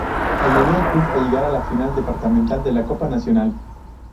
Ayudó al club a llegar a la final departamental de la Copa Nacional.